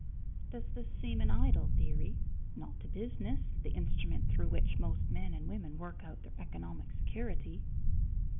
Does this seem an idle theory? Not to business, the instrument through which most men and women work out their economic security.